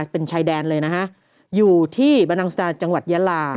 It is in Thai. เป็นชายแดนเลยนะฮะอยู่ที่บรรนังสตาจังหวัดยาลา